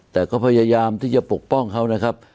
แต่ก็พยายามที่จะปกป้องเขานะครับ